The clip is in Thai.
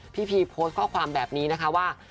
พีโพสต์ข้อความแบบนี้นะคะว่า